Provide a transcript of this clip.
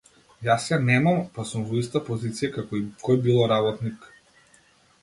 Јас ја немам, па сум во иста позиција како и кој било работник.